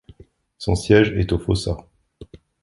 Son siège est au Fossat.